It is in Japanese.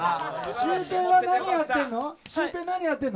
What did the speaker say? シュウペイは、何やってるの？